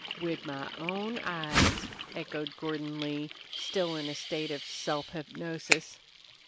"Wid my own eyes," echoed Gordon Lee, still in a state of self hypnosis.